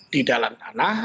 di dalam tanah